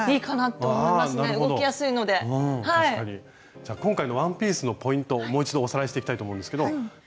じゃ今回のワンピースのポイントをもう一度おさらいしていきたいと思うんですけどこちら。